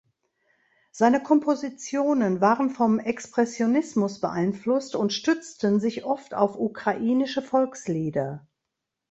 Seine Kompositionen waren vom Expressionismus beeinflusst und stützten sich oft auf ukrainische Volkslieder.